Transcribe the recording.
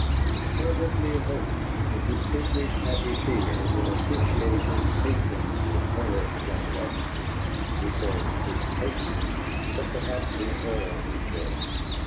We fervently hope that the distinguished Happy Fear will appreciate his patron's superb generosity. We say 'his patron,' but perhaps we err in this.